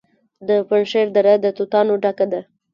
د پنجشیر دره د توتانو ډکه ده.